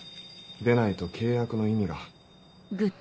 でないと契約の意味が。